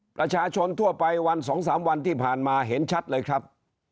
ประชาชนทั่วไปวัน๒๓วันที่ผ่านมาเห็นชัดเลยครับ